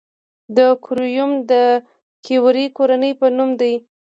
د کوریوم د کیوري کورنۍ په نوم دی.